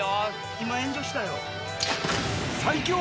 今炎上したよ。